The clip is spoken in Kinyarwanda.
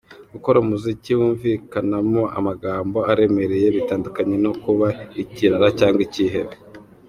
Gukora umuziki wumvikanamo amagambo aremereye bitandukanye no kuba ikirara cyangwa ikihebe.